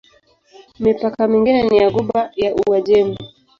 Mipaka mingine ni ya Ghuba ya Uajemi.